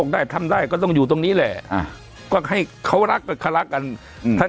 ได้ทำได้ก็ต้องอยู่ตรงนี้แหละก็ให้เขารักก็เขารักกันอืมท่าน